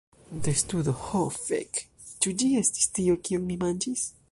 Testudo: "Ho fek, ĉu ĝi estis tio, kion mi manĝis?"